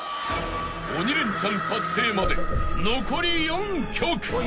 ［鬼レンチャン達成まで残り４曲］